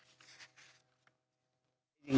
ช่วยความคิดแป้งได้เลยนะครับ